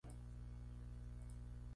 Su asesor científico fue Sydney Chapman.